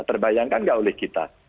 terbayangkan gak oleh kita